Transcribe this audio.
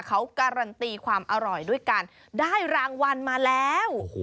เขาการันตีความอร่อยด้วยการได้รางวัลมาแล้ว